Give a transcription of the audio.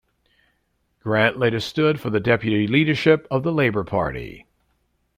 Grant later stood for the deputy leadership of the Labour Party.